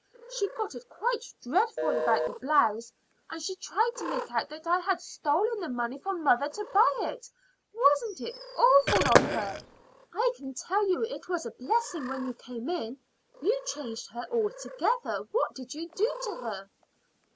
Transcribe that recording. She got quite dreadful about the blouse, and she tried to make out that I had stolen the money from mother to buy it. Wasn't it awful of her? I can tell you it was a blessing when you came in. You changed her altogether. What did you do to her?"